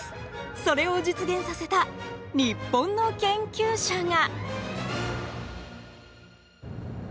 それを実現させた日本の研究者が。